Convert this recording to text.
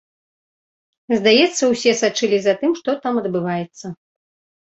Здаецца, усе сачылі за тым, што там адбываецца.